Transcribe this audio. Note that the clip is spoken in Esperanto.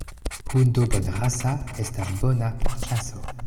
Hundo bonrasa estas bona por ĉaso.